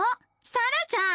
さらちゃん。